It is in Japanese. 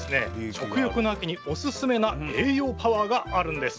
食欲の秋にオススメな栄養パワーがあるんです。